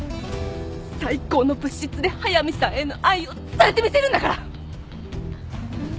最高の物質で速見さんへの愛を伝えてみせるんだから！